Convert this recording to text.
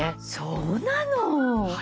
そうなの！